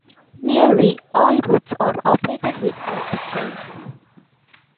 Nearly all routes are operated with electric trains.